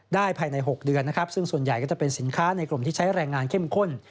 ภายใน๖เดือนนะครับซึ่งส่วนใหญ่ก็จะเป็นสินค้าในกลุ่มที่ใช้แรงงานเข้มข้น